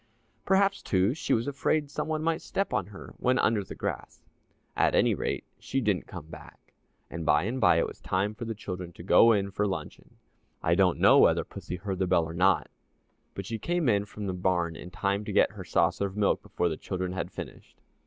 Perhaps, too, she was afraid some one might step on her when under the grass. At any rate, she didn't come back, and by and by it was time for the children to go in for luncheon. I don't know whether pussy heard the bell or not, but she came in from the barn in time to get her saucer of milk before the children had finished.